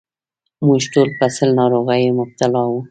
موږ ټول په سِل ناروغۍ مبتلا وو.